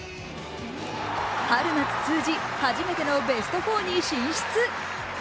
春夏通じ初めてのベスト４に進出！